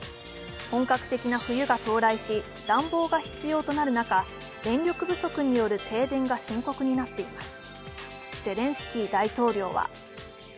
本格的な冬が到来し、暖房が必要となる中、電力不足による停電が深刻になっています。